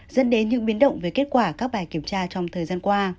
dẫn đến những biến động về kết quả các bài kiểm tra trong thời gian qua